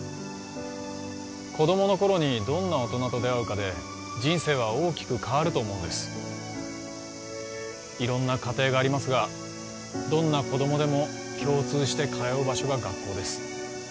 子どもの頃にどんな大人と出会うかで人生は大きく変わると思うんです色んな家庭がありますがどんな子どもでも共通して通う場所が学校です